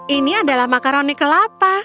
ini adalah makaroni kelapa